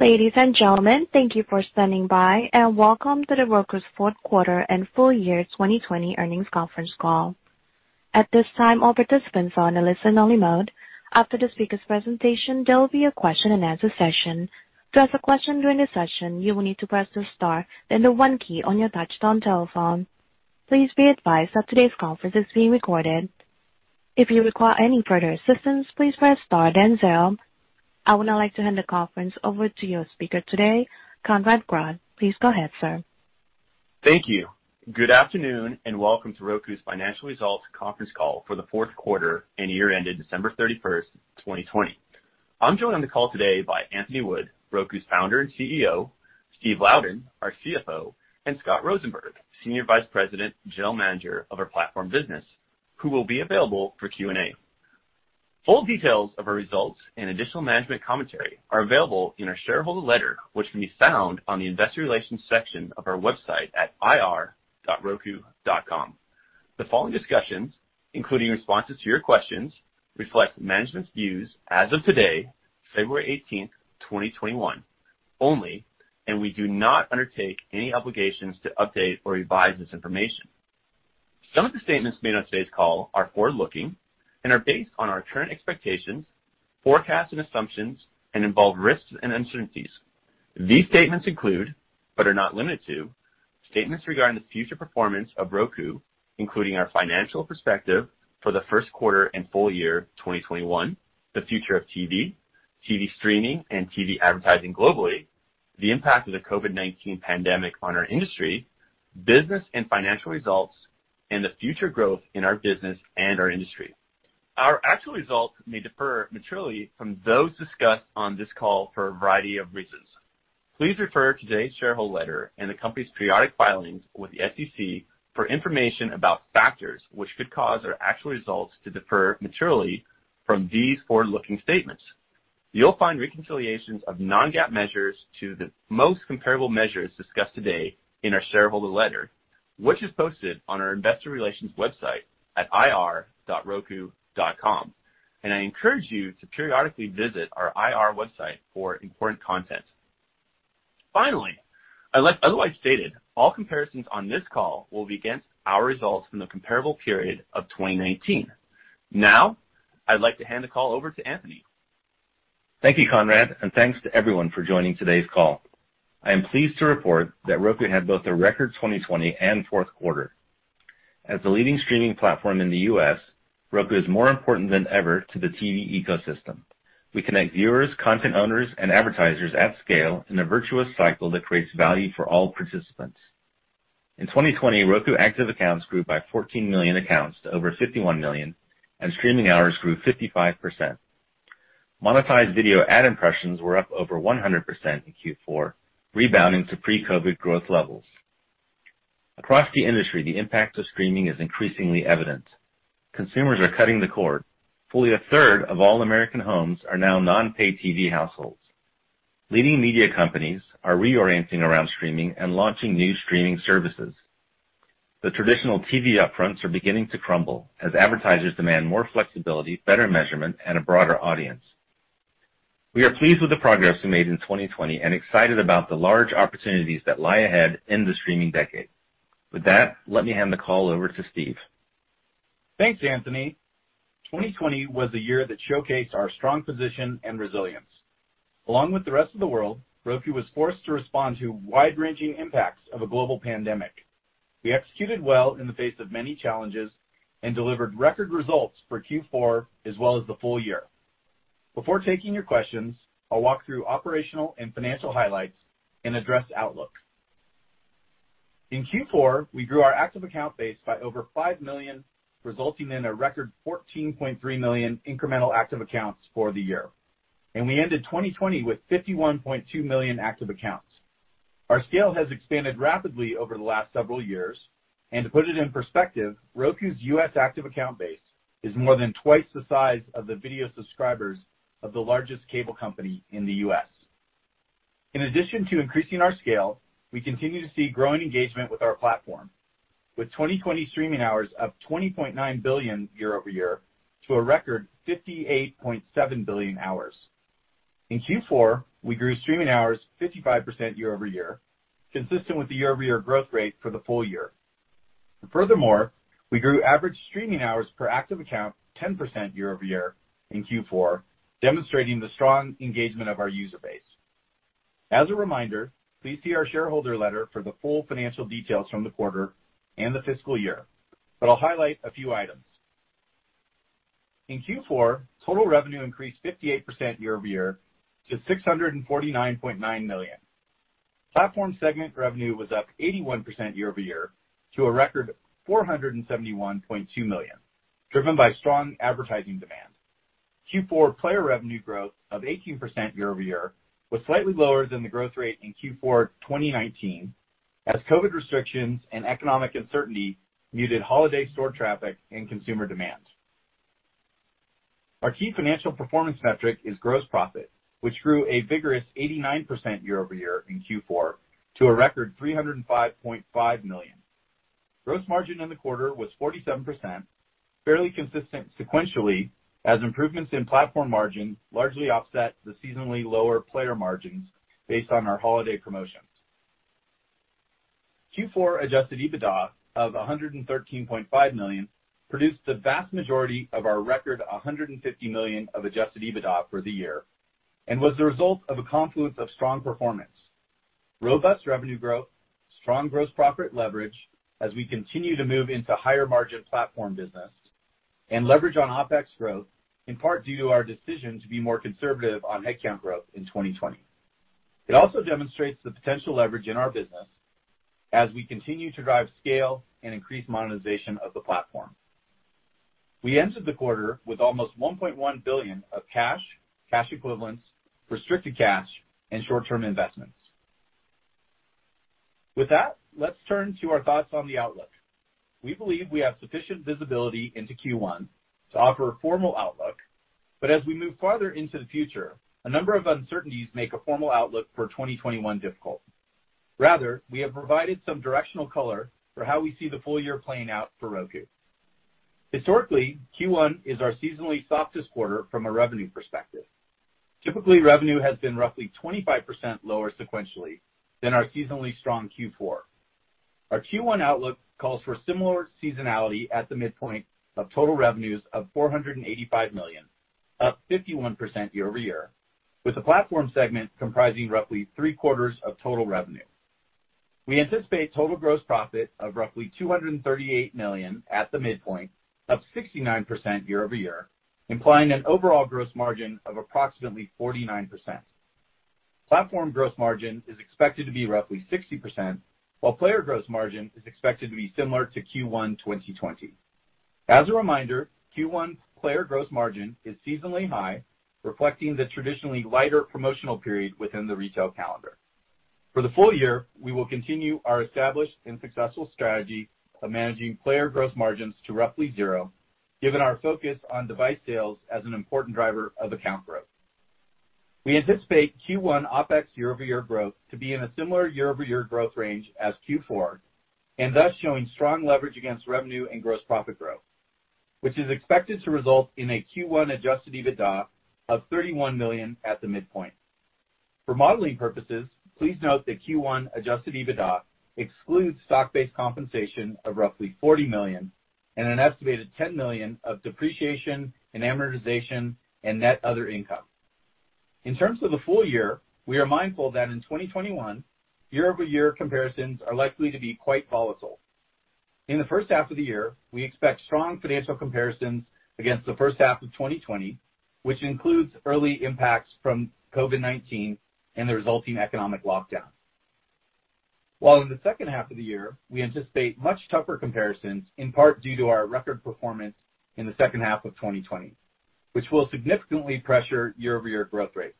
Ladies and gentlemen, thank you for standing by, and welcome to The Roku's fourth quarter and full year 2020 earnings conference call. At this time, all participants are on a listen-only mode. After the speakers' presentation, there will be a question-and-answer session. To ask a question during the session, you will need to press the star, then the one key on your touch-tone telephone. Please be advised that today's conference is being recorded. If you require any further assistance, please press star, then zero. I would now like to hand the conference over to your speaker today, Conrad Grodd. Please go ahead, sir. Thank you. Good afternoon. Welcome to Roku's financial results conference call for the fourth quarter and year ended December 31st, 2020. I'm joined on the call today by Anthony Wood, Roku's Founder and CEO, Steve Louden, our CFO, and Scott Rosenberg, Senior Vice President and General Manager of our platform business, who will be available for Q&A. Full details of our results and additional management commentary are available in our shareholder letter, which can be found on the investor relations section of our website at ir.roku.com. The following discussions, including responses to your questions, reflect management's views as of today, February 18th, 2021, only, and we do not undertake any obligations to update or revise this information. Some of the statements made on today's call are forward-looking and are based on our current expectations, forecasts, and assumptions and involve risks and uncertainties. These statements include, but are not limited to, statements regarding the future performance of Roku, including our financial perspective for the first quarter and full year 2021, the future of TV, TV streaming, and TV advertising globally, the impact of the COVID-19 pandemic on our industry, business and financial results, and the future growth in our business and our industry. Our actual results may differ materially from those discussed on this call for a variety of reasons. Please refer to today's shareholder letter and the company's periodic filings with the SEC for information about factors which could cause our actual results to differ materially from these forward-looking statements. You'll find reconciliations of non-GAAP measures to the most comparable measures discussed today in our shareholder letter, which is posted on our investor relations website at ir.roku.com. I encourage you to periodically visit our IR website for important content. Finally, unless otherwise stated, all comparisons on this call will be against our results from the comparable period of 2019. I'd like to hand the call over to Anthony. Thank you, Conrad, and thanks to everyone for joining today's call. I am pleased to report that Roku had both a record 2020 and fourth quarter. As the leading streaming platform in the U.S., Roku is more important than ever to the TV ecosystem. We connect viewers, content owners, and advertisers at scale in a virtuous cycle that creates value for all participants. In 2020, Roku active accounts grew by 14 million accounts to over 51 million, and streaming hours grew 55%. Monetized video ad impressions were up over 100% in Q4, rebounding to pre-COVID-19 growth levels. Across the industry, the impact of streaming is increasingly evident. Consumers are cutting the cord. Fully a third of all American homes are now non-pay TV households. Leading media companies are reorienting around streaming and launching new streaming services. The traditional TV upfronts are beginning to crumble as advertisers demand more flexibility, better measurement, and a broader audience. We are pleased with the progress we made in 2020 and excited about the large opportunities that lie ahead in the streaming decade. With that, let me hand the call over to Steve. Thanks, Anthony. 2020 was a year that showcased our strong position and resilience. Along with the rest of the world, Roku was forced to respond to wide-ranging impacts of a global pandemic. We executed well in the face of many challenges and delivered record results for Q4 as well as the full year. Before taking your questions, I'll walk through operational and financial highlights and address outlook. In Q4, we grew our active account base by over 5 million, resulting in a record 14.3 million incremental active accounts for the year. We ended 2020 with 51.2 million active accounts. Our scale has expanded rapidly over the last several years, and to put it in perspective, Roku's U.S. active account base is more than twice the size of the video subscribers of the largest cable company in the U.S. In addition to increasing our scale, we continue to see growing engagement with our platform, with 2020 streaming hours up 20.9 billion year-over-year to a record 58.7 billion hours. In Q4, we grew streaming hours 55% year-over-year, consistent with the year-over-year growth rate for the full year. Furthermore, we grew average streaming hours per active account 10% year-over-year in Q4, demonstrating the strong engagement of our user base. As a reminder, please see our shareholder letter for the full financial details from the quarter and the fiscal year, I'll highlight a few items. In Q4, total revenue increased 58% year-over-year to $649.9 million. Platform segment revenue was up 81% year-over-year to a record $471.2 million, driven by strong advertising demand. Q4 player revenue growth of 18% year-over-year was slightly lower than the growth rate in Q4 2019, as COVID restrictions and economic uncertainty muted holiday store traffic and consumer demand. Our key financial performance metric is gross profit, which grew a vigorous 89% year-over-year in Q4 to a record $305.5 million. Gross margin in the quarter was 47%, fairly consistent sequentially, as improvements in platform margin largely offset the seasonally lower player margins based on our holiday promotions. Q4 adjusted EBITDA of $113.5 million produced the vast majority of our record $150 million of adjusted EBITDA for the year and was the result of a confluence of strong performance, robust revenue growth, strong gross profit leverage as we continue to move into higher margin platform business, and leverage on OpEx growth, in part due to our decision to be more conservative on headcount growth in 2020. It also demonstrates the potential leverage in our business as we continue to drive scale and increase monetization of the platform. We ended the quarter with almost $1.1 billion of cash, cash equivalents, restricted cash, and short-term investments. With that, let's turn to our thoughts on the outlook. We believe we have sufficient visibility into Q1 to offer a formal outlook, but as we move farther into the future, a number of uncertainties make a formal outlook for 2021 difficult. Rather, we have provided some directional color for how we see the full year playing out for Roku. Historically, Q1 is our seasonally softest quarter from a revenue perspective. Typically, revenue has been roughly 25% lower sequentially than our seasonally strong Q4. Our Q1 outlook calls for similar seasonality at the midpoint of total revenues of $485 million, up 51% year-over-year, with the platform segment comprising roughly 3/4 of total revenue. We anticipate total gross profit of roughly $238 million at the midpoint, up 69% year-over-year, implying an overall gross margin of approximately 49%. Platform gross margin is expected to be roughly 60%, while player gross margin is expected to be similar to Q1 2020. As a reminder, Q1 player gross margin is seasonally high, reflecting the traditionally lighter promotional period within the retail calendar. For the full year, we will continue our established and successful strategy of managing player gross margins to roughly zero, given our focus on device sales as an important driver of account growth. We anticipate Q1 OpEx year-over-year growth to be in a similar year-over-year growth range as Q4. Thus showing strong leverage against revenue and gross profit growth, which is expected to result in a Q1 adjusted EBITDA of $31 million at the midpoint. For modeling purposes, please note that Q1 adjusted EBITDA excludes stock-based compensation of roughly $40 million and an estimated $10 million of depreciation and amortization and net other income. In terms of the full year, we are mindful that in 2021, year-over-year comparisons are likely to be quite volatile. In the first half of the year, we expect strong financial comparisons against the first half of 2020, which includes early impacts from COVID-19 and the resulting economic lockdown. While in the second half of the year, we anticipate much tougher comparisons, in part due to our record performance in the second half of 2020, which will significantly pressure year-over-year growth rates.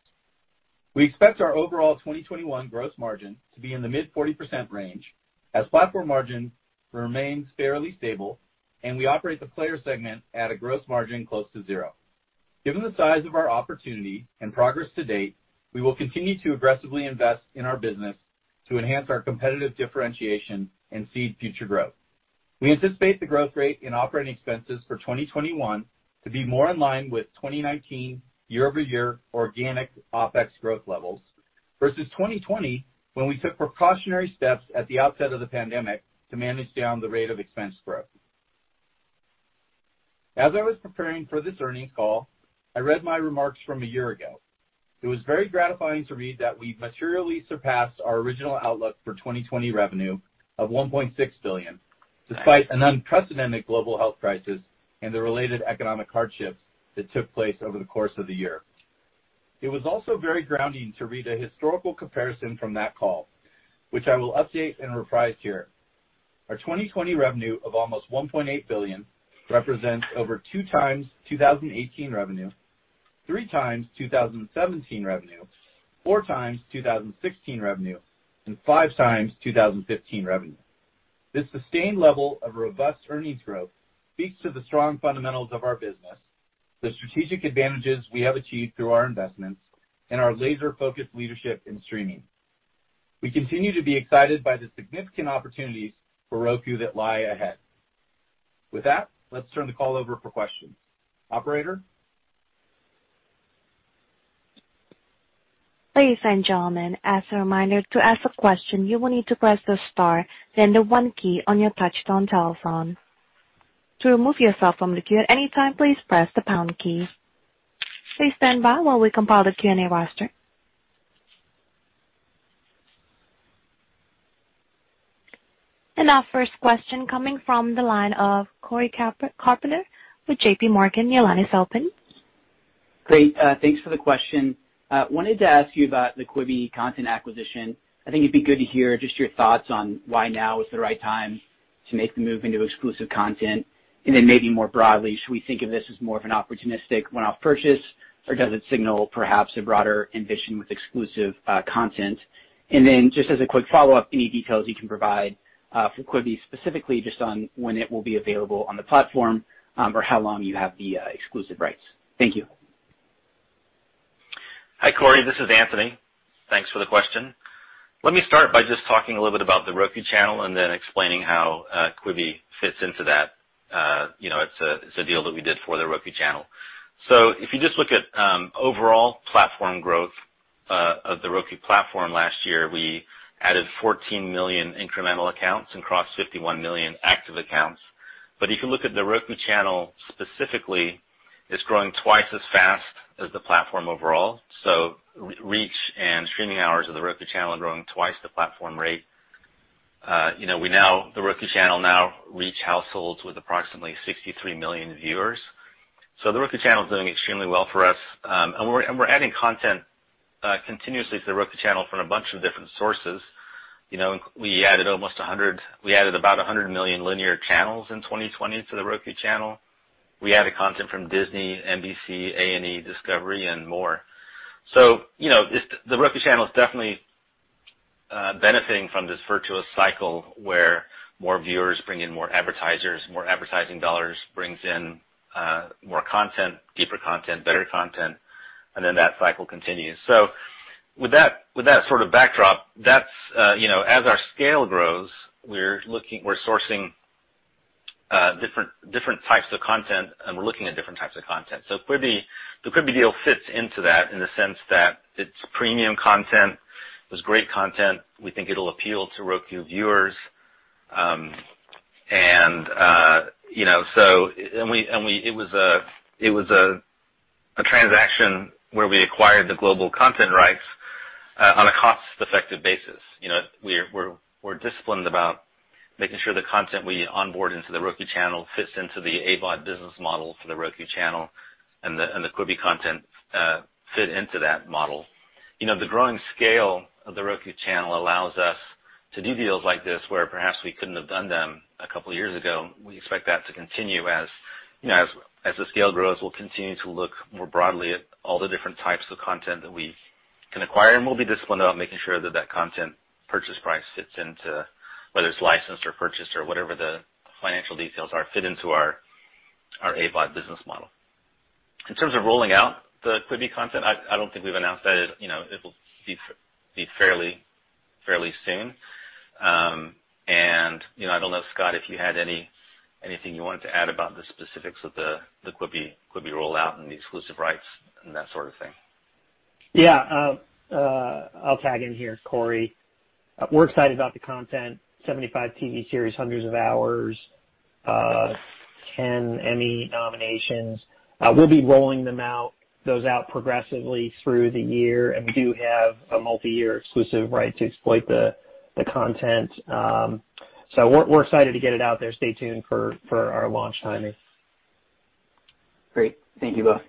We expect our overall 2021 gross margin to be in the mid-40% range as platform margin remains fairly stable and we operate the player segment at a gross margin close to zero. Given the size of our opportunity and progress to date, we will continue to aggressively invest in our business to enhance our competitive differentiation and seed future growth. We anticipate the growth rate in operating expenses for 2021 to be more in line with 2019 year-over-year organic OpEx growth levels versus 2020, when we took precautionary steps at the outset of the pandemic to manage down the rate of expense growth. As I was preparing for this earnings call, I read my remarks from a year ago. It was very gratifying to read that we've materially surpassed our original outlook for 2020 revenue of $1.6 billion, despite an unprecedented global health crisis and the related economic hardships that took place over the course of the year. It was also very grounding to read a historical comparison from that call, which I will update and reprise here. Our 2020 revenue of almost $1.8 billion represents over 2 times 2018 revenue, 3 times 2017 revenue, 4 times 2016 revenue, and 5 times 2015 revenue. This sustained level of robust earnings growth speaks to the strong fundamentals of our business, the strategic advantages we have achieved through our investments, and our laser-focused leadership in streaming. We continue to be excited by the significant opportunities for Roku that lie ahead. With that, let's turn the call over for questions. Operator? Ladies and gentlemen, as a reminder, to ask a question you will need to press the star then the one key on your touch-tone telephone. To remove yourself from the queue at anytime, please press the pound key. Please stand by while we compile the Q&A roster. Our first question coming from the line of Cory Carpenter with JPMorgan. Your line is open. Great. Thanks for the question. Wanted to ask you about the Quibi content acquisition. I think it'd be good to hear just your thoughts on why now is the right time to make the move into exclusive content. Maybe more broadly, should we think of this as more of an opportunistic one-off purchase, or does it signal perhaps a broader ambition with exclusive content? Just as a quick follow-up, any details you can provide for Quibi specifically just on when it will be available on the platform, or how long you have the exclusive rights. Thank you. Hi, Cory, this is Anthony. Thanks for the question. Let me start by just talking a little bit about The Roku Channel and then explaining how Quibi fits into that. It's a deal that we did for The Roku Channel. If you just look at overall platform growth of The Roku platform last year, we added 14 million incremental accounts and crossed 51 million active accounts. If you look at The Roku Channel specifically, it's growing twice as fast as the platform overall. Reach and streaming hours of The Roku Channel are growing twice the platform rate. The Roku Channel now reach households with approximately 63 million viewers. The Roku Channel is doing extremely well for us. We're adding content continuously to The Roku Channel from a bunch of different sources. We added about 100 million linear channels in 2020 to The Roku Channel. We added content from Disney, NBC, A&E, Discovery, and more. The Roku Channel is definitely benefiting from this virtuous cycle where more viewers bring in more advertisers, more advertising dollars brings in more content, deeper content, better content, and that cycle continues. With that sort of backdrop, as our scale grows, we're sourcing different types of content, and we're looking at different types of content. The Quibi deal fits into that in the sense that it's premium content. It's great content. We think it'll appeal to Roku viewers. It was a transaction where we acquired the global content rights on a cost-effective basis. We're disciplined about making sure the content we onboard into The Roku Channel fits into the AVOD business model for The Roku Channel and the Quibi content fit into that model. The growing scale of The Roku Channel allows us to do deals like this where perhaps we couldn't have done them a couple of years ago. We expect that to continue as the scale grows, we'll continue to look more broadly at all the different types of content that we can acquire. We'll be disciplined about making sure that content purchase price fits into, whether it's licensed or purchased or whatever the financial details are, fit into our AVOD business model. In terms of rolling out the Quibi content, I don't think we've announced that. It will be fairly soon. I don't know, Scott, if you had anything you wanted to add about the specifics of the Quibi rollout and the exclusive rights and that sort of thing. Yeah. I'll tag in here, Cory. We're excited about the content, 75 TV series, hundreds of hours, 10 Emmy nominations. We'll be rolling those out progressively through the year. We do have a multi-year exclusive right to exploit the content. We're excited to get it out there. Stay tuned for our launch timing. Great. Thank you both.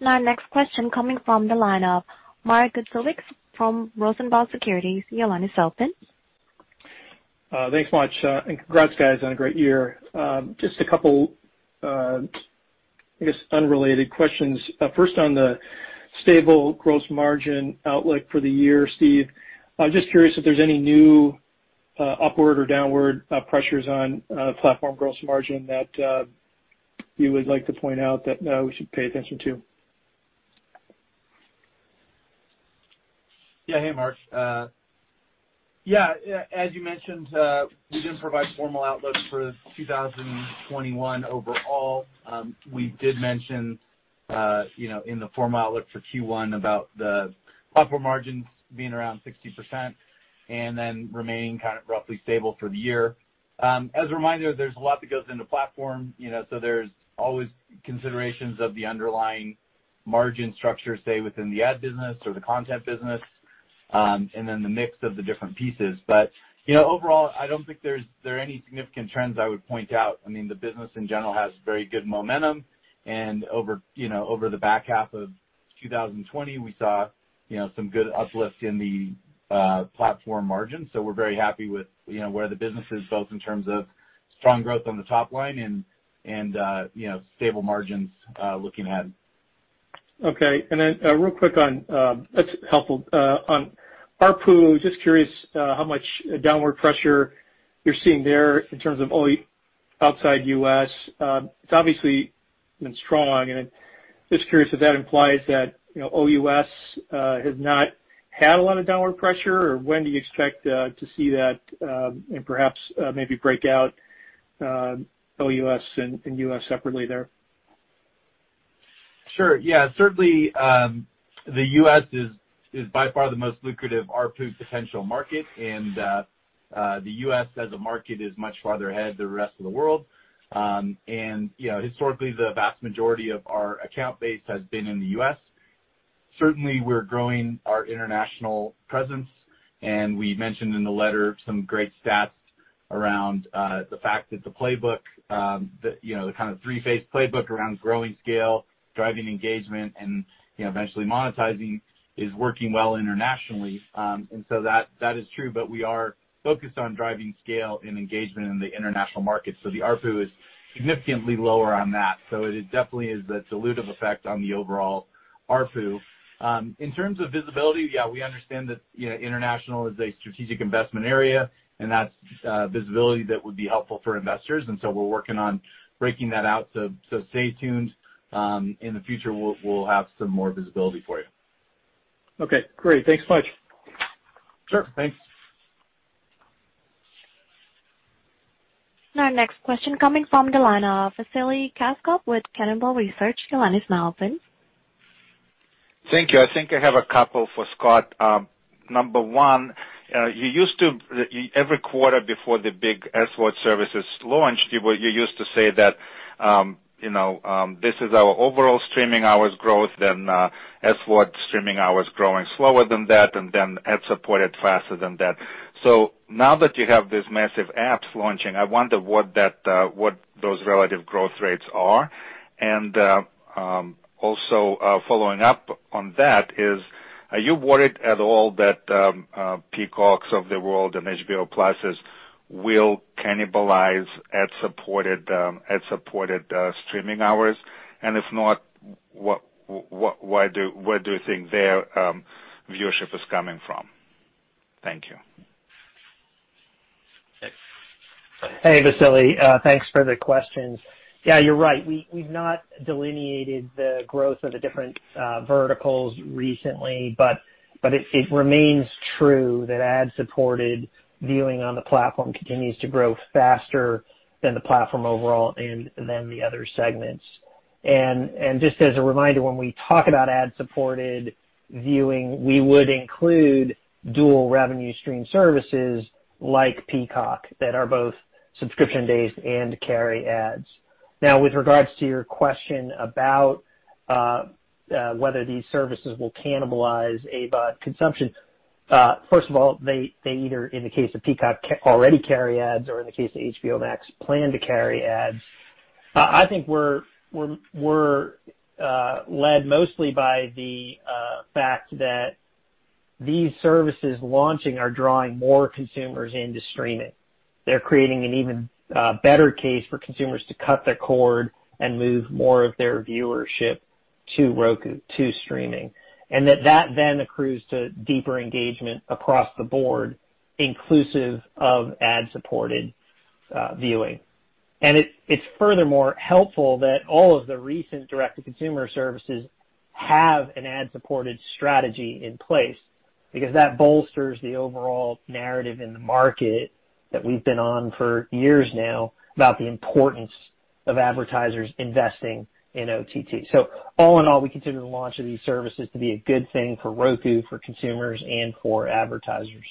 Next question coming from the line of Mark Zgutowicz from Rosenblatt Securities. Your line is open. Thanks much, congrats guys on a great year. Just a couple, I guess, unrelated questions. First on the stable gross margin outlook for the year, Steve. I'm just curious if there's any new upward or downward pressures on platform gross margin that you would like to point out that we should pay attention to. Hey, Mark. As you mentioned, we didn't provide formal outlook for 2021 overall. We did mention in the formal outlook for Q1 about the platform margins being around 60% and then remaining kind of roughly stable for the year. As a reminder, there's a lot that goes into platform. There's always considerations of the underlying margin structure, say, within the ad business or the content business, and then the mix of the different pieces. Overall, I don't think there are any significant trends I would point out. The business in general has very good momentum, and over the back half of 2020, we saw some good uplift in the platform margin. We're very happy with where the business is, both in terms of strong growth on the top line and stable margins looking ahead. Okay. Real quick on, that's helpful. On ARPU, just curious how much downward pressure you're seeing there in terms of outside U.S. It's obviously been strong, just curious if that implies that OUS has not had a lot of downward pressure, or when do you expect to see that? Perhaps maybe break out OUS and U.S. separately there. Sure. Yeah. Certainly, the U.S. is by far the most lucrative ARPU potential market, and the U.S. as a market is much farther ahead than the rest of the world. Historically, the vast majority of our account base has been in the U.S. Certainly, we're growing our international presence, and we mentioned in the letter some great stats around the fact that the playbook, the kind of three-phase playbook around growing scale, driving engagement, and eventually monetizing, is working well internationally. That is true, but we are focused on driving scale and engagement in the international market. The ARPU is significantly lower on that. It definitely is a dilutive effect on the overall ARPU. In terms of visibility, yeah, we understand that international is a strategic investment area, and that's visibility that would be helpful for investors. We're working on breaking that out. Stay tuned. In the future, we'll have some more visibility for you. Okay, great. Thanks much. Sure. Thanks. Our next question coming from the line of Vasily Karasyov with Cannonball Research. Thank you. I think I have a couple for Scott. Number one, every quarter before the big SVOD services launched, you used to say that, this is our overall streaming hours growth SVOD streaming hours growing slower than that and ad-supported faster than that. Now that you have this massive apps launching, I wonder what those relative growth rates are. Also following up on that is, are you worried at all that, Peacocks of the world and HBO Plus will cannibalize ad-supported streaming hours? If not, where do you think their viewership is coming from? Thank you. Hey, Vasily. Thanks for the questions. Yeah, you're right. We've not delineated the growth of the different verticals recently, but it remains true that ad-supported viewing on the platform continues to grow faster than the platform overall and than the other segments. Just as a reminder, when we talk about ad-supported viewing, we would include dual revenue stream services like Peacock that are both subscription-based and carry ads. Now, with regards to your question about whether these services will cannibalize AVOD consumption. First of all, they either, in the case of Peacock, already carry ads or in the case of HBO Max, plan to carry ads. I think we're led mostly by the fact that these services launching are drawing more consumers into streaming. They're creating an even better case for consumers to cut their cord and move more of their viewership to Roku, to streaming. That then accrues to deeper engagement across the board, inclusive of ad-supported viewing. It's furthermore helpful that all of the recent direct-to-consumer services have an ad-supported strategy in place because that bolsters the overall narrative in the market that we've been on for years now about the importance of advertisers investing in OTT. All in all, we consider the launch of these services to be a good thing for Roku, for consumers, and for advertisers.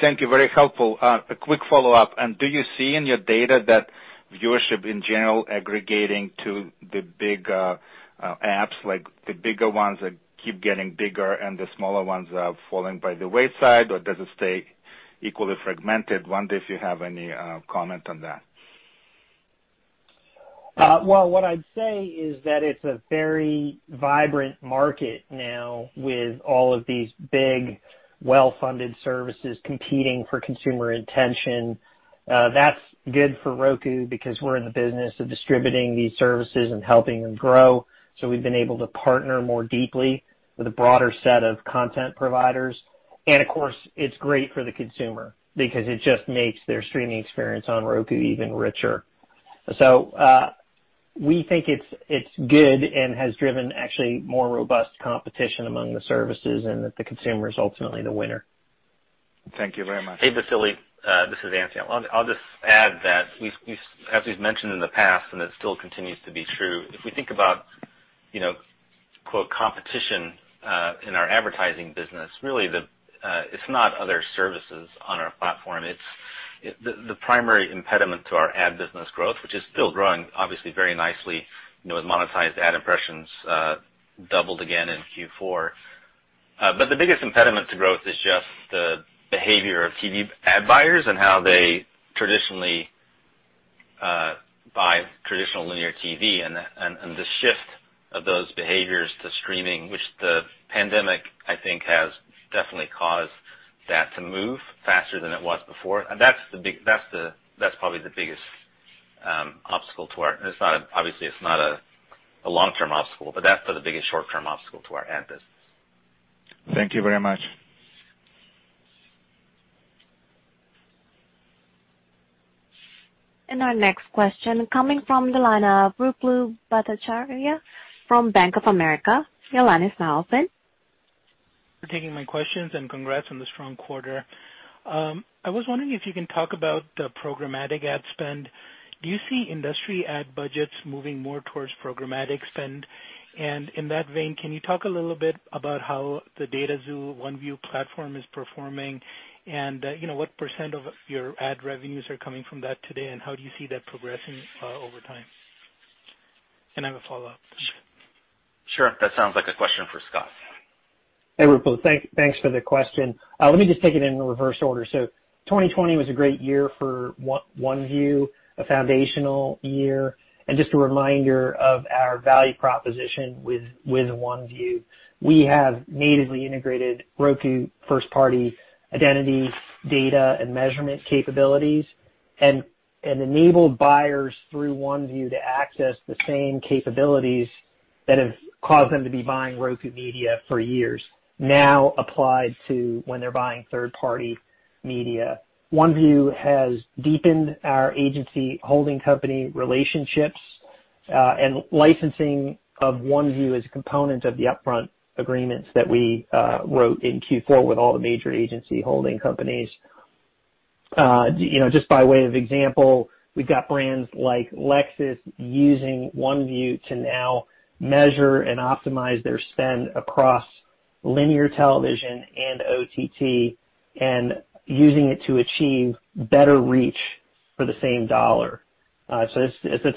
Thank you. Very helpful. A quick follow-up. Do you see in your data that viewership in general aggregating to the big apps, like the bigger ones that keep getting bigger and the smaller ones are falling by the wayside, or does it stay equally fragmented? I wonder if you have any comment on that. Well, what I'd say is that it's a very vibrant market now with all of these big, well-funded services competing for consumer attention. That's good for Roku because we're in the business of distributing these services and helping them grow. We've been able to partner more deeply with a broader set of content providers. Of course, it's great for the consumer because it just makes their streaming experience on Roku even richer. We think it's good and has driven actually more robust competition among the services, and that the consumer is ultimately the winner. Thank you very much. Hey, Vasily. This is Anthony. I'll just add that as we've mentioned in the past, and it still continues to be true, if we think about, quote, competition in our advertising business, really it's not other services on our platform. The primary impediment to our ad business growth, which is still growing obviously very nicely with monetized ad impressions doubled again in Q4. The biggest impediment to growth is just the behavior of TV ad buyers and how they traditionally buy traditional linear TV and the shift of those behaviors to streaming, which the pandemic, I think, has definitely caused that to move faster than it was before. That's probably the biggest obstacle, obviously it's not a long-term obstacle, that's been the biggest short-term obstacle to our ad business. Thank you very much. Our next question coming from the line of Ruplu Bhattacharya from Bank of America. Your line is now open. Thank you for taking my questions, and congrats on the strong quarter. I was wondering if you can talk about the programmatic ad spend. Do you see industry ad budgets moving more towards programmatic spend? In that vein, can you talk a little bit about how the dataxu OneView platform is performing, and what percent of your ad revenues are coming from that today, and how do you see that progressing over time? I have a follow-up. Sure. That sounds like a question for Scott. Hey, Ruplu. Thanks for the question. Let me just take it in reverse order. 2020 was a great year for OneView, a foundational year. Just a reminder of our value proposition with OneView. We have natively integrated Roku first-party identity data and measurement capabilities and enabled buyers through OneView to access the same capabilities that have caused them to be buying Roku media for years, now applied to when they're buying third-party media. OneView has deepened our agency holding company relationships and licensing of OneView as a component of the upfront agreements that we wrote in Q4 with all the major agency holding companies. Just by way of example, we've got brands like Lexus using OneView to now measure and optimize their spend across linear television and OTT, and using it to achieve better reach for the same dollar. That's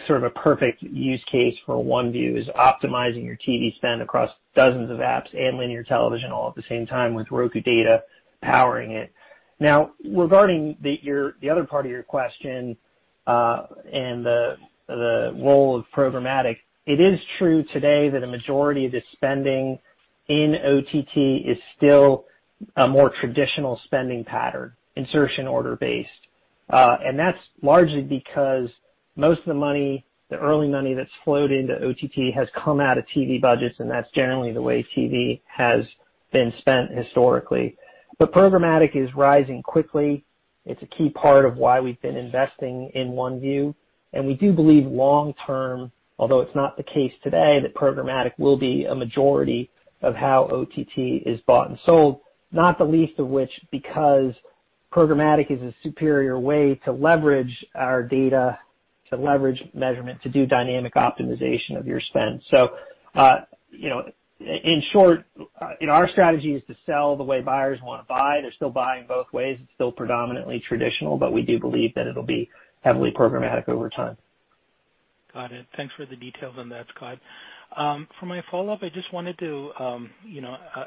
sort of a perfect use case for OneView, is optimizing your TV spend across dozens of apps and linear television all at the same time with Roku data powering it. Regarding the other part of your question, and the role of programmatic, it is true today that a majority of the spending in OTT is still a more traditional spending pattern, insertion order based. That's largely because most of the money, the early money that's flowed into OTT, has come out of TV budgets, and that's generally the way TV has been spent historically. Programmatic is rising quickly. It's a key part of why we've been investing in OneView, and we do believe long term, although it's not the case today, that programmatic will be a majority of how OTT is bought and sold, not the least of which because programmatic is a superior way to leverage our data, to leverage measurement, to do dynamic optimization of your spend. In short, our strategy is to sell the way buyers want to buy. They're still buying both ways. It's still predominantly traditional, but we do believe that it'll be heavily programmatic over time. Got it. Thanks for the details on that, Scott. For my follow-up, I just wanted to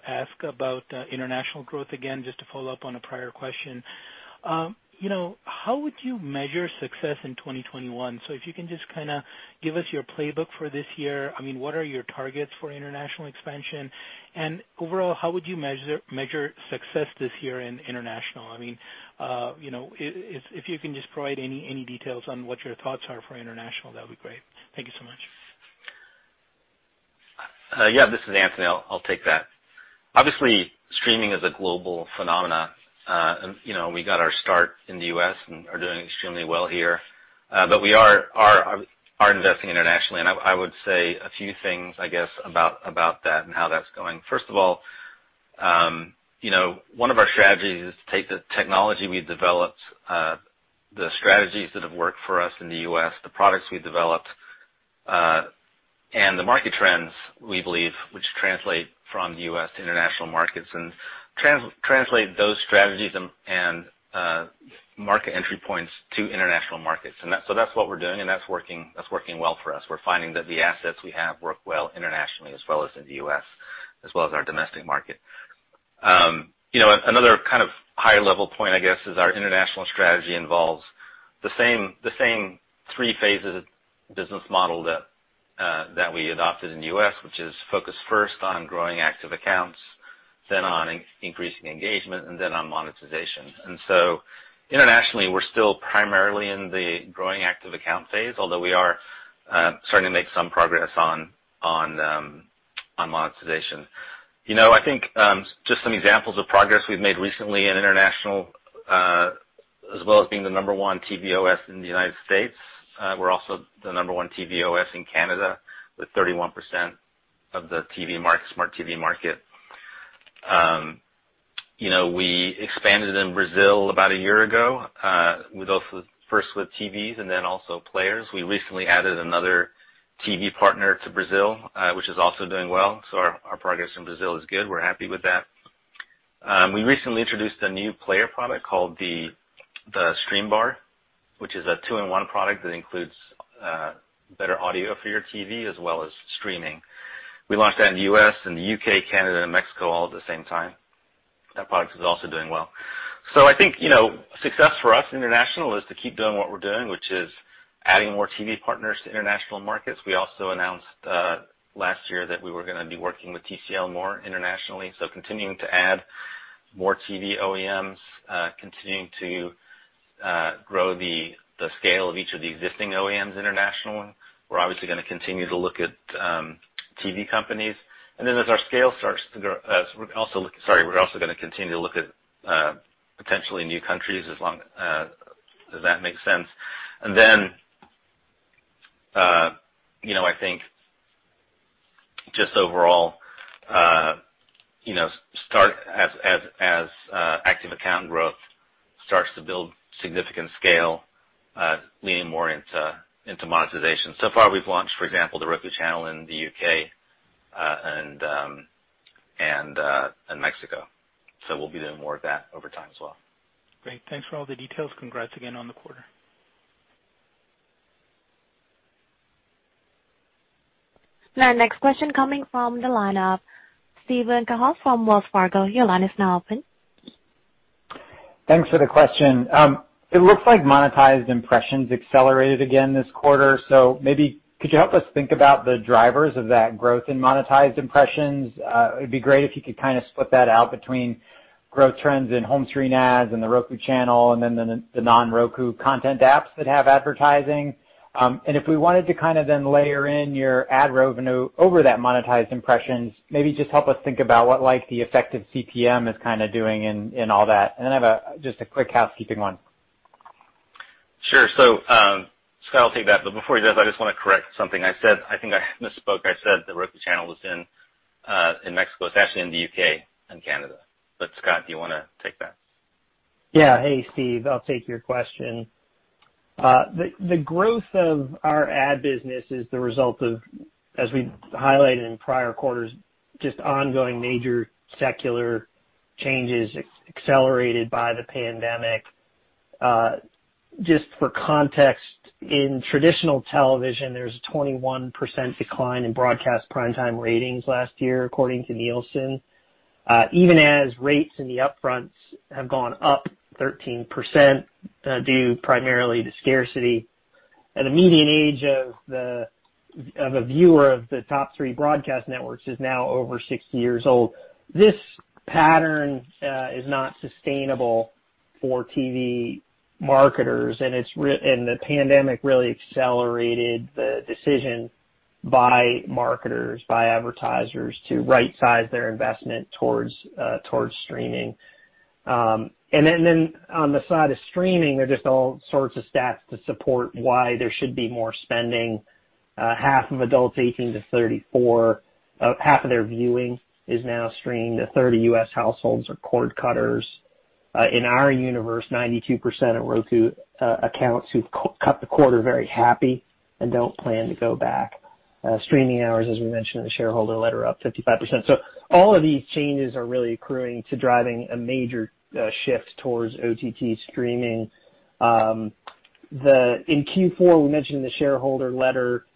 ask about international growth again, just to follow up on a prior question. How would you measure success in 2021? If you can just give us your playbook for this year. What are your targets for international expansion? Overall, how would you measure success this year in international? If you can just provide any details on what your thoughts are for international, that would be great. Thank you so much. Yeah. This is Anthony. I'll take that. Obviously, streaming is a global phenomenon. We got our start in the U.S. and are doing extremely well here. We are investing internationally, and I would say a few things, I guess, about that and how that's going. First of all, one of our strategies is to take the technology we've developed, the strategies that have worked for us in the U.S., the products we've developed, and the market trends we believe, which translate from the U.S. to international markets, and translate those strategies and market entry points to international markets. That's what we're doing, and that's working well for us. We're finding that the assets we have work well internationally as well as in the U.S., as well as our domestic market. Another kind of high level point, I guess, is our international strategy involves the same three phases of business model that we adopted in the U.S., which is focus first on growing active accounts, then on increasing engagement, and then on monetization. Internationally, we're still primarily in the growing active account phase, although we are starting to make some progress on monetization. I think just some examples of progress we've made recently in international, as well as being the number one TV OS in the U.S., we're also the number one TV OS in Canada with 31% of the smart TV market. We expanded in Brazil about a year ago, both first with TVs and then also players. We recently added another TV partner to Brazil, which is also doing well. Our progress in Brazil is good. We're happy with that. We recently introduced a new player product called the Streambar, which is a 2-in-1 product that includes better audio for your TV as well as streaming. We launched that in the U.S. and the U.K., Canada, and Mexico all at the same time. That product is also doing well. I think success for us international is to keep doing what we're doing, which is adding more TV partners to international markets. We also announced last year that we were going to be working with TCL more internationally. Continuing to add more TV OEMs, continuing to grow the scale of each of the existing OEMs internationally. We're obviously going to continue to look at TV companies. Sorry, we're also going to continue to look at potentially new countries. Does that make sense? I think just overall, as active account growth starts to build significant scale, leaning more into monetization. So far, we've launched, for example, The Roku Channel in the U.K. and Mexico. We'll be doing more of that over time as well. Great. Thanks for all the details. Congrats again on the quarter. The next question coming from the line of Steven Cahall from Wells Fargo. Your line is now open. Thanks for the question. It looks like monetized impressions accelerated again this quarter. Maybe could you help us think about the drivers of that growth in monetized impressions? It'd be great if you could split that out between growth trends in home screen ads and The Roku Channel, and then the non-Roku content apps that have advertising. If we wanted to then layer in your ad revenue over that monetized impressions, maybe just help us think about what the effective CPM is doing in all that. Then I have just a quick housekeeping one. Sure. Scott will take that, before he does, I just want to correct something I said. I think I misspoke. I said The Roku Channel was in Mexico. It's actually in the U.K. and Canada. Scott, do you want to take that? Yeah. Hey, Steve, I'll take your question. The growth of our ad business is the result of, as we highlighted in prior quarters, just ongoing major secular changes accelerated by the pandemic. Just for context, in traditional television, there's a 21% decline in broadcast primetime ratings last year, according to Nielsen. Even as rates in the upfronts have gone up 13%, due primarily to scarcity, and the median age of a viewer of the top three broadcast networks is now over 60 years old. This pattern is not sustainable for TV marketers, and the pandemic really accelerated the decision by marketers, by advertisers, to right-size their investment towards streaming. On the side of streaming, there are just all sorts of stats to support why there should be more spending. Half of adults 18 to 34, half of their viewing is now streamed. 1/3 of U.S. households are cord cutters. In our universe, 92% of Roku accounts who've cut the cord are very happy and don't plan to go back. Streaming hours, as we mentioned in the shareholder letter, are up 55%. All of these changes are really accruing to driving a major shift towards OTT streaming. In Q4, we mentioned in the shareholder letter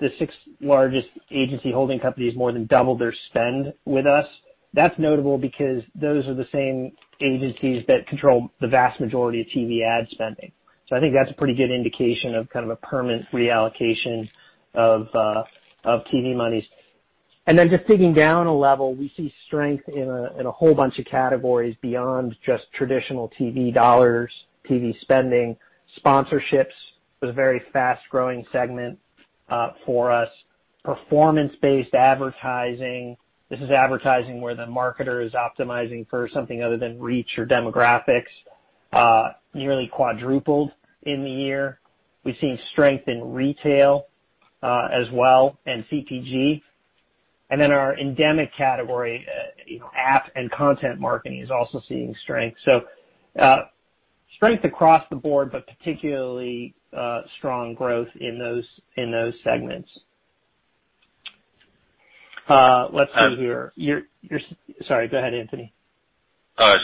the six largest agency holding companies more than doubled their spend with us. That's notable because those are the same agencies that control the vast majority of TV ad spending. I think that's a pretty good indication of kind of a permanent reallocation of TV monies. Just digging down a level, we see strength in a whole bunch of categories beyond just traditional TV dollars, TV spending. Sponsorships was a very fast-growing segment for us. Performance-based advertising, this is advertising where the marketer is optimizing for something other than reach or demographics, nearly quadrupled in the year. We've seen strength in retail as well, and CPG. Our endemic category, app and content marketing, is also seeing strength. Strength across the board, but particularly strong growth in those segments. Let's see here. Sorry, go ahead, Anthony. I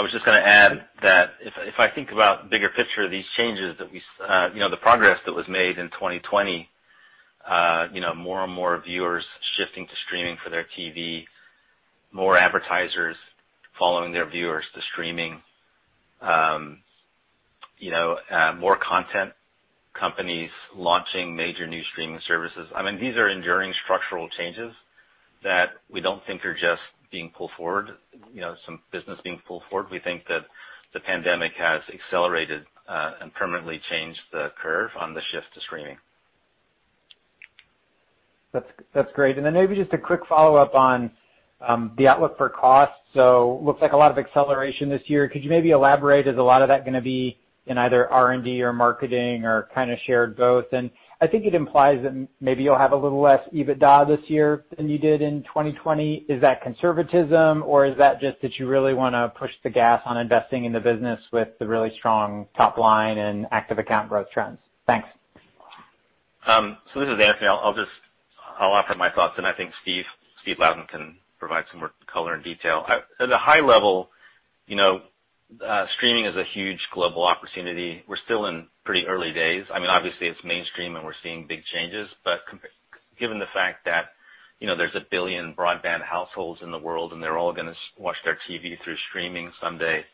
was just going to add that if I think about the bigger picture of these changes that the progress that was made in 2020. More and more viewers shifting to streaming for their TV, more advertisers following their viewers to streaming, more content companies launching major new streaming services. These are enduring structural changes that we don't think are just being pulled forward, some business being pulled forward. We think that the pandemic has accelerated and permanently changed the curve on the shift to streaming. That's great. Then maybe just a quick follow-up on the outlook for cost. Looks like a lot of acceleration this year. Could you maybe elaborate? Is a lot of that going to be in either R&D or marketing or kind of shared both? I think it implies that maybe you'll have a little less EBITDA this year than you did in 2020. Is that conservatism or is that just that you really want to push the gas on investing in the business with the really strong top line and active account growth trends? Thanks. This is Anthony. I'll offer my thoughts, and I think Steve Louden can provide some more color and detail. At a high level, streaming is a huge global opportunity. We're still in pretty early days. Obviously, it's mainstream and we're seeing big changes, but given the fact that there's 1 billion broadband households in the world and they're all going to watch their TV through streaming someday,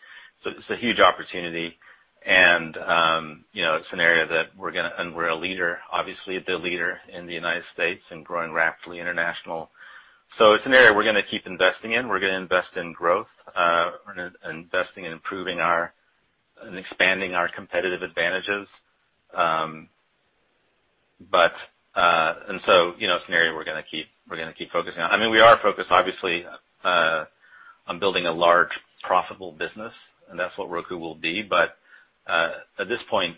so it's a huge opportunity. It's an area that we're a leader, obviously the leader in the U.S. and growing rapidly international. It's an area we're going to keep investing in. We're going to invest in growth. We're investing in improving our and expanding our competitive advantages. It's an area we're going to keep focusing on. We are focused, obviously, on building a large, profitable business, and that's what Roku will be. At this point,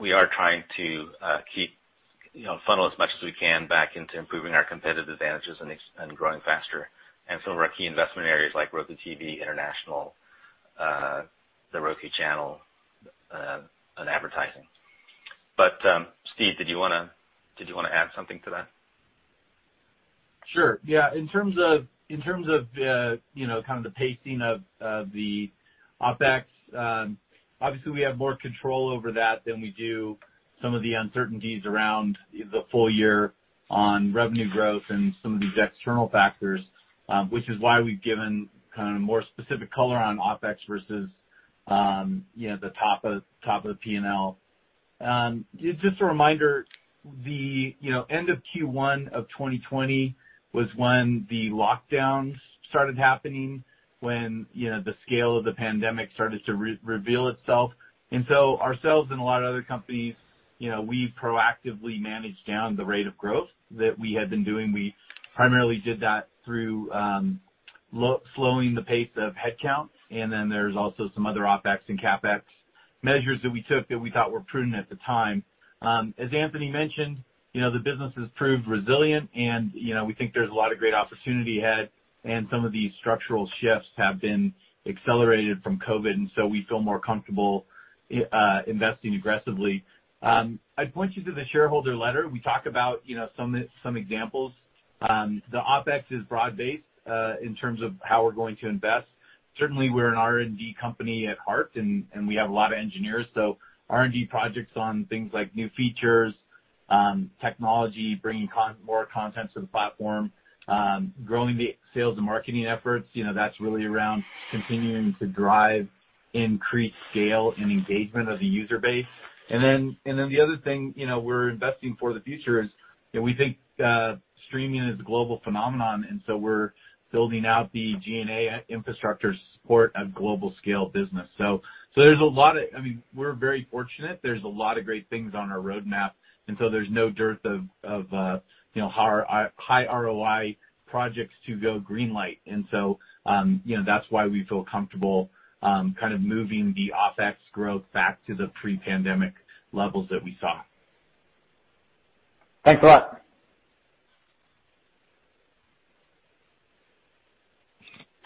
we are trying to funnel as much as we can back into improving our competitive advantages and growing faster. We're a key investment areas like Roku TV International, The Roku Channel, and advertising. Steve, did you want to add something to that? Sure. Yeah. In terms of kind of the pacing of the OpEx, obviously we have more control over that than we do some of the uncertainties around the full year on revenue growth and some of these external factors, which is why we've given kind of more specific color on OpEx versus the top of the P&L. Just a reminder, the end of Q1 of 2020 was when the lockdowns started happening, when the scale of the pandemic started to reveal itself. Ourselves and a lot of other companies, we proactively managed down the rate of growth that we had been doing. We primarily did that through Slowing the pace of headcount. There's also some other OpEx and CapEx measures that we took that we thought were prudent at the time. As Anthony mentioned, the business has proved resilient. We think there's a lot of great opportunity ahead. Some of these structural shifts have been accelerated from COVID, so we feel more comfortable investing aggressively. I'd point you to the shareholder letter. We talk about some examples. The OpEx is broad-based in terms of how we're going to invest. Certainly, we're an R&D company at heart. We have a lot of engineers. R&D projects on things like new features, technology, bringing more content to the platform, growing the sales and marketing efforts. That's really around continuing to drive increased scale and engagement of the user base. The other thing we're investing for the future is, we think streaming is a global phenomenon. We're building out the G&A infrastructure to support a global scale business. We're very fortunate. There's a lot of great things on our roadmap. There's no dearth of high ROI projects to go greenlight. That's why we feel comfortable kind of moving the OpEx growth back to the pre-pandemic levels that we saw. Thanks a lot.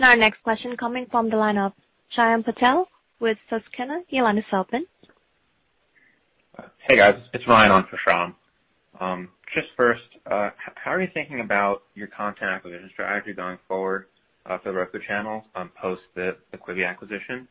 Now our next question coming from the line of Shyam Patel with Susquehanna. You'll understand. Hey, guys. It's Ryan on for Shyam. Just first, how are you thinking about your content acquisition strategy going forward for The Roku Channel on post the Quibi acquisition?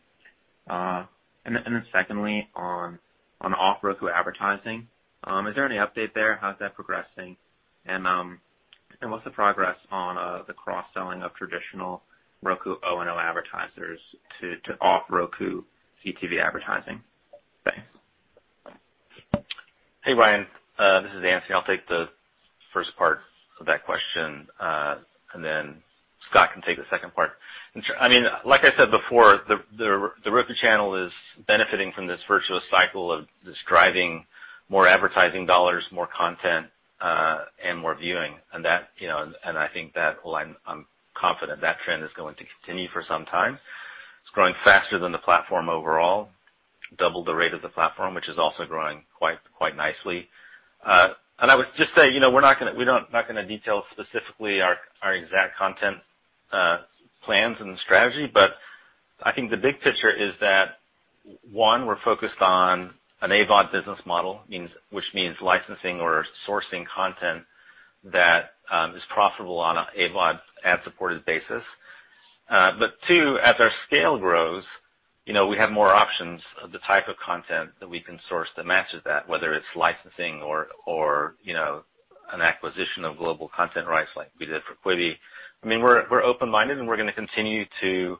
Then secondly, on off-Roku advertising, is there any update there? How's that progressing? What's the progress on the cross-selling of traditional Roku O&O advertisers to off-Roku CTV advertising? Thanks. Hey, Ryan. This is Anthony. I'll take the first part of that question, and then Scott can take the second part. Like I said before, The Roku Channel is benefiting from this virtuous cycle of just driving more advertising dollars, more content, and more viewing. I think that I'm confident that trend is going to continue for some time. It's growing faster than the platform overall, double the rate of the platform, which is also growing quite nicely. I would just say, we're not going to detail specifically our exact content plans and strategy. I think the big picture is that, one, we're focused on an AVOD business model, which means licensing or sourcing content that is profitable on an AVOD ad-supported basis. Two, as our scale grows, we have more options of the type of content that we can source that matches that, whether it's licensing or an acquisition of global content rights like we did for Quibi. We're open-minded, and we're going to continue to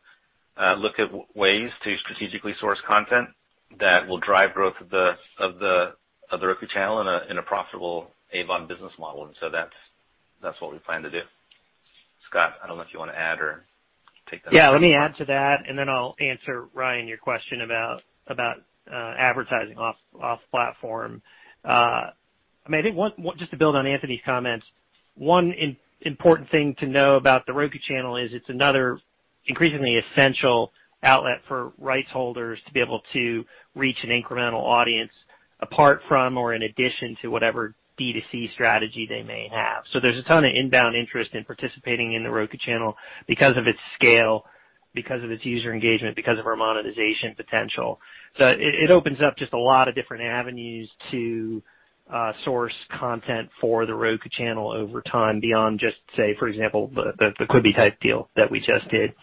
look at ways to strategically source content that will drive growth of The Roku Channel in a profitable AVOD business model. That's what we plan to do. Scott, I don't know if you want to add or take that. Yeah. Let me add to that, and then I'll answer, Ryan, your question about advertising off-platform. I think just to build on Anthony's comments, one important thing to know about The Roku Channel is it's another increasingly essential outlet for rights holders to be able to reach an incremental audience apart from or in addition to whatever D2C strategy they may have. There's a ton of inbound interest in participating in The Roku Channel because of its scale, because of its user engagement, because of our monetization potential. It opens up just a lot of different avenues to source content for The Roku Channel over time beyond just, say, for example, the Quibi-type deal that we just did.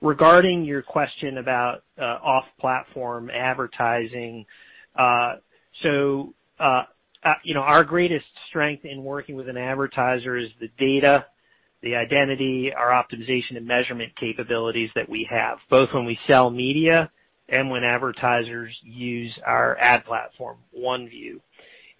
Regarding your question about off-platform advertising. Our greatest strength in working with an advertiser is the data, the identity, our optimization and measurement capabilities that we have, both when we sell media and when advertisers use our ad platform, OneView.